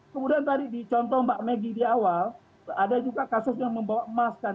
kemudian tadi di contoh mbak maggie di awal ada juga kasus yang membawa emas kan